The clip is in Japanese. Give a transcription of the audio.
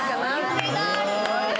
夢がある！